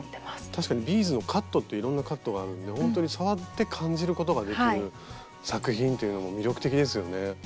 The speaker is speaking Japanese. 確かにビーズのカットっていろんなカットがあるんでほんとに触って感じることができる作品っていうのも魅力的ですよね。